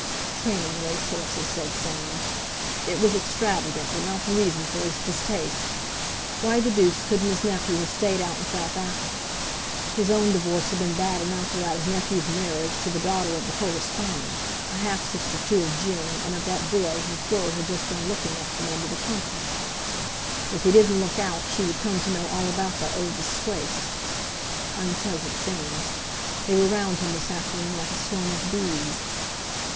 "Training race horses!" said Soames. It was extravagant, but not the reason for his distaste. Why the deuce couldn't his nephew have stayed out in South Africa? His own divorce had been bad enough, without his nephew's marriage to the daughter of the co respondent; a half sister too of June, and of that boy whom Fleur had just been looking at from under the pump handle. If he didn't look out, she would come to know all about that old disgrace! Unpleasant things! They were round him this afternoon like a swarm of bees!